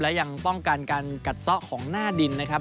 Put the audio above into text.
และยังป้องกันการกัดซ่อของหน้าดินนะครับ